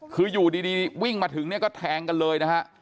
คืออยู่ดีวิ่งมาถึงเนี่ยก็แทงกันเลยนะฮะ